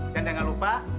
dan jangan lupa